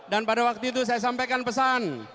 dan pada waktu itu saya sampaikan pesan